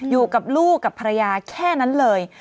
อยู่กับลูกกับภรรยาแค่นั้นเลย